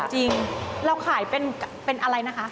จริงเราขายเป็นอะไรนะคะ